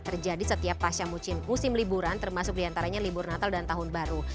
terjadi setiap pasca musim liburan termasuk diantaranya libur natal dan tahun baru